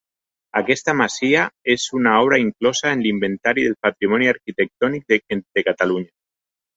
Aquesta masia és una obra inclosa en l'Inventari del Patrimoni Arquitectònic de Catalunya.